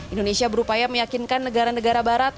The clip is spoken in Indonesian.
indonesia berupaya meyakinkan negara negara barat